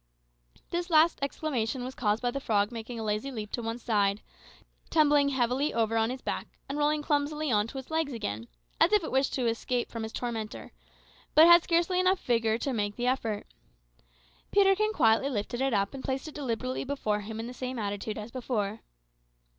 This last exclamation was caused by the frog making a lazy leap to one side, tumbling heavily over on its back, and rolling clumsily on to its legs again, as if it wished to escape from its tormentor, but had scarcely vigour enough to make the effort. Peterkin quietly lifted it up and placed it deliberately before him again in the same attitude as before.